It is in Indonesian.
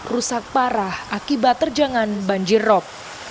rusak parah akibat terjangan banjir rop